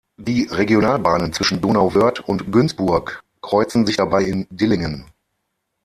Die Regionalbahnen zwischen Donauwörth und Günzburg kreuzen sich dabei in Dillingen.